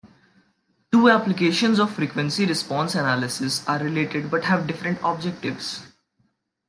Two applications of frequency response analysis are related but have different objectives.